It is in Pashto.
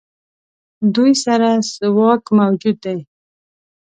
دوی سره څه واک موجود دی.